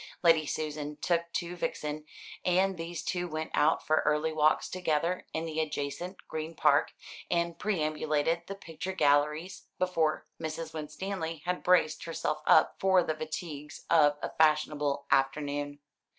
Lady Susan took to Vixen; and these two went out for early walks together in the adjacent Green Park, and perambulated the picture galleries, before Mrs. Winstanley had braced herself up for the fatigues of a fashionable afternoon.